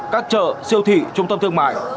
các chợ siêu thị trung tâm thương mại